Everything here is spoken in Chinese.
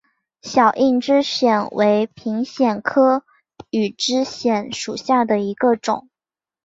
小硬枝藓为平藓科羽枝藓属下的一个种。